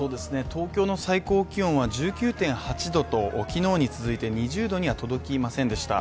東京の最高気温は１９．８℃と昨日に続いて２０℃には届きませんでした